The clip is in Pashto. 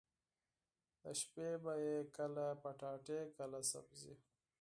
د شپې به يې کله پټاټې کله سبزي.